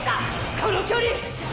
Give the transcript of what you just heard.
この距離。